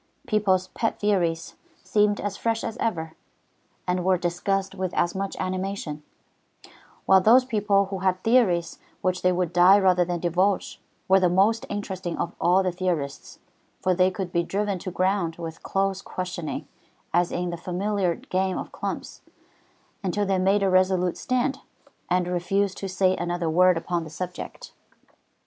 People's pet theories seemed as fresh as ever, and were discussed with as much animation; while those people who had theories which they would die rather than divulge, were the most interesting of all the theorists, for they could be driven to ground with close questioning, as in the familiar game of "clumps," until they made a resolute stand, and refused to say another word upon the subject.